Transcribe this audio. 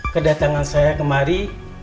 kedatangan saya kemari